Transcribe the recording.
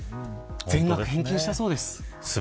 全額返金したそうです。